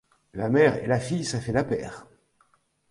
La mère et la fille, ça fait la paire.